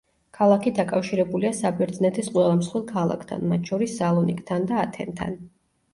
ქალაქი დაკავშირებულია საბერძნეთის ყველა მსხვილ ქალაქთან, მათ შორის სალონიკთან და ათენთან.